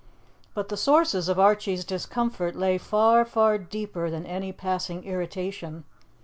But the sources of Archie's discomfort lay far, far deeper than any passing irritation.